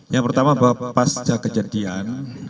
yang pertama bahwa pasca kejadian